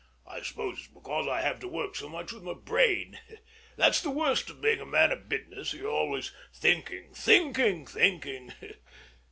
I suppose it's because I have to work so much with my brain. That's the worst of being a man of business: you are always thinking, thinking, thinking.